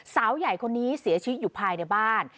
สาวใหญ่คนนี้เสียชีวิตอยู่ภายในบ้าน